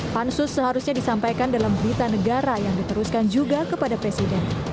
pansus seharusnya disampaikan dalam berita negara yang diteruskan juga kepada presiden